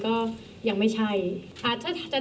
เธออยากให้ชี้แจ่งความจริง